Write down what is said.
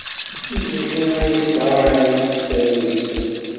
D Tiziri ay yesɛan sser deg-sent.